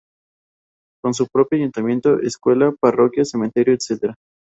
Con su propio ayuntamiento, escuela, parroquia, cementerio, etc.